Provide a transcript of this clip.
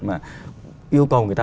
mà yêu cầu người ta